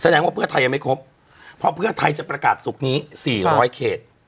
ว่าเพื่อไทยยังไม่ครบเพราะเพื่อไทยจะประกาศศุกร์นี้๔๐๐เขต